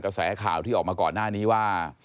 แสข่าวที่ออกมาก่อนหน้านี้ว่า